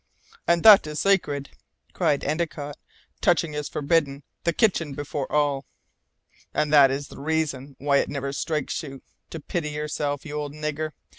"And that is sacred," cried Endicott; "touching is forbidden! The kitchen before all." "And that is the reason why it never strikes you to pity yourself, you old nigger!